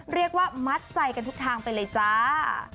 เรียกว่ามัดใจกันทุกทางไปเลยจ้า